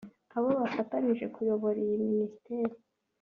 abo bafatanyije kuyobora iyi Minisiteri